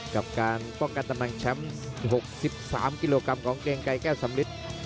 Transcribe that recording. กับการป้องกันตำแหน่งแชมป์๖๓กิโลกรัมของเกรงไกรแก้วสำลิด